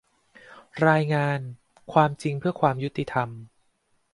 รายงาน "ความจริงเพื่อความยุติธรรม"